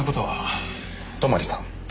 泊さん。